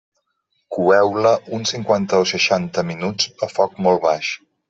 Coeu-la uns cinquanta o seixanta minuts a foc molt baix.